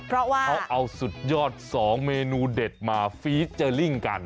เพราะว่าเขาเอาสุดยอด๒เมนูเด็ดมาฟีเจอร์ลิ่งกัน